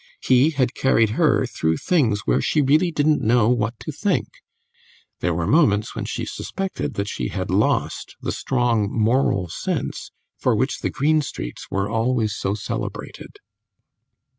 He had carried her through things where she really didn't know what to think; there were moments when she suspected that she had lost the strong moral sense for which the Greenstreets were always so celebrated.